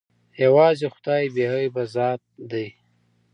يوازې خداى بې عيبه ذات ديه.